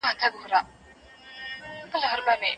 ایا هلک په دې پوهېږي چې انا خفه ده؟